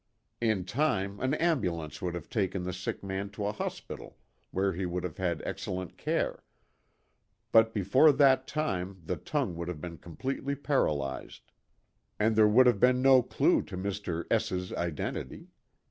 In time an ambulance would have taken the sick man to a hospital where he would have had excellent care. But before that time the tongue would have been completely paralyzed. And there would have been no clue to Mr. S 's identity.